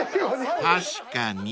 ［確かに］